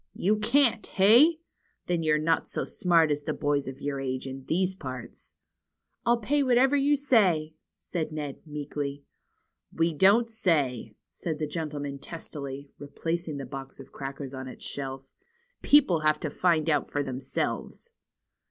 ^^You can't, hey? Then you're not so smart as the boys of your age in these parts." I'll pay whatever you say," said Ned, meekly. ^^We don't say," said the old gentleman testily, re placing the box of crackers on its shelf. People have to find out for themselves."